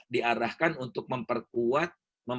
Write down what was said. diarahkan untuk memperkuat